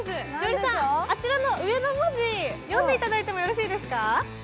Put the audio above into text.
栞里さん、あちらの上の文字、読んでいただいてもよろしいですか？